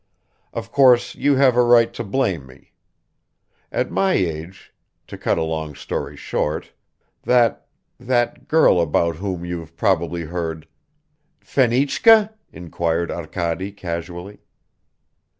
Of course you have a right to blame me. At my age ... To cut a long story short, that that girl about whom you've probably heard ...." "Fenichka?" inquired Arkady casually.